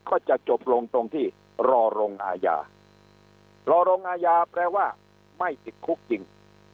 ก็จะจบลงตรงที่รอลงอาญารอลงอาญาแปลว่าไม่ติดคุกจริง